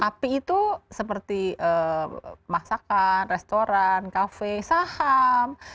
api itu seperti masakan restoran cafe saham